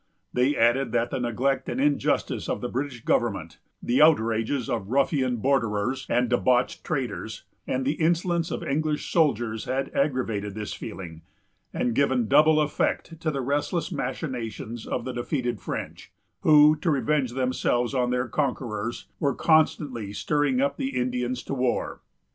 They added that the neglect and injustice of the British government, the outrages of ruffian borderers and debauched traders, and the insolence of English soldiers, had aggravated this feeling, and given double effect to the restless machinations of the defeated French; who, to revenge themselves on their conquerors, were constantly stirring up the Indians to war.